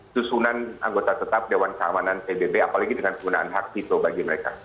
susunan anggota tetap dewan keamanan pbb apalagi dengan penggunaan hak cipto bagi mereka